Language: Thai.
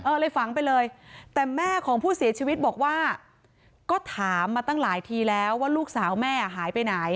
เลยฝังไปเลยแต่แม่ของผู้เสียชีวิตบอกว่าก็ถามมาตั้งหลายทีแล้วว่าลูกสาวแม่หายไปไหน